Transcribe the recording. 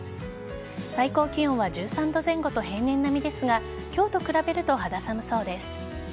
最高気温は１３度前後と平年並みですが今日と比べると肌寒そうです。